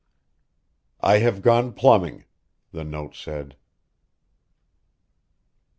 "I have gone plumbing," the note said.